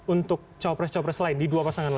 untuk cawabras cawabras lain di dua pasangan lain